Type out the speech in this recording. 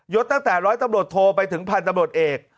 ยศตั้งแต่๑๐๐ตำรวจโทรไปถึงพันตำรวจเอก